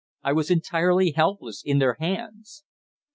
I was entirely helpless in their hands!